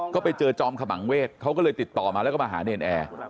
ก็ไปเจอจอมขมังเวศเขาก็เลยติดต่อมาแล้วก็มาหาเนรนแอร์